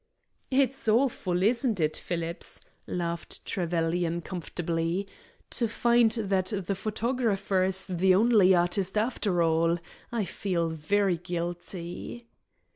"It's awful, isn't it, Phillips," laughed Trevelyan, comfortably, "to find that the photographer is the only artist, after all? I feel very guilty."